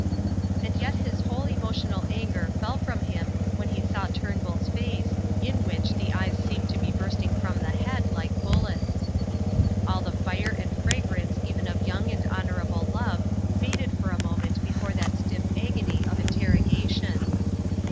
And yet his whole emotional anger fell from him when he saw Turnbull's face, in which the eyes seemed to be bursting from the head like bullets. All the fire and fragrance even of young and honourable love faded for a moment before that stiff agony of interrogation.